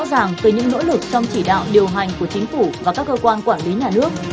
rõ ràng từ những nỗ lực trong chỉ đạo điều hành của chính phủ và các cơ quan quản lý nhà nước